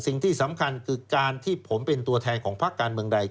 สิ่งที่สำคัญคือการที่ผมเป็นตัวแทนของพักการเมืองใด